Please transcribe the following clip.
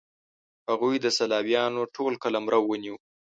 هغوی د سلاویانو ټول قلمرو ونیو.